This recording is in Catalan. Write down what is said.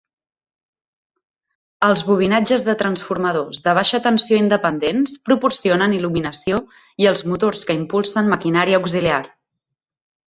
Els bobinatges de transformadors de baixa tensió independents proporcionen il·luminació i els motors que impulsen maquinària auxiliar.